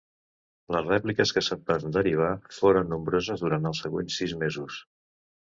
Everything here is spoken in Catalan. Les rèpliques que se'n van derivar foren nombroses durant els següents sis mesos.